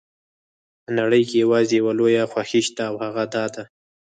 په نړۍ کې یوازې یوه لویه خوښي شته او هغه دا ده.